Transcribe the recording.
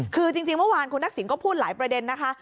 คือจริงเมื่อวานคุณทักษิณก็พูดหลายประเด็นนะคะ